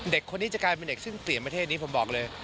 เด็กคนนี้จะใกล้เป็นเด็กที่จะเปลกลับมาเทศนี้ผมบอกเลย